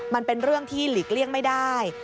มันเป็นเรื่องที่หลีกเลี่ยงไม่ได้